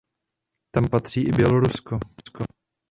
Tam patří i Bělorusko.